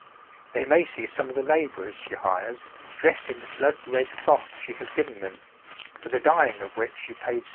They may see some of the labourers she hires dressed in the blood red cloth she has given them, for the dyeing of which she paid 7s.